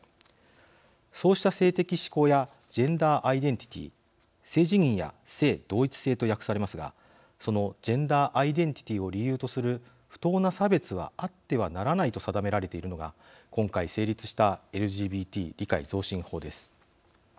そうした性的指向やジェンダーアイデンティティ性自認や性同一性と訳されますがそのジェンダーアイデンティティを理由とする不当な差別はあってはならないと定められているのが今回成立したＬＧＢＴ理解増進法です。